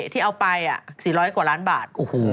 ที่เอาไป๔๐๐กว่าล้านบาท